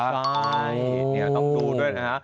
ใช่ต้องดูด้วยนะฮะ